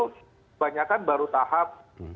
kebanyakan baru tahap